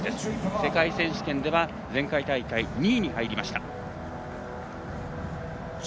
世界選手権では前回大会２位に入りました。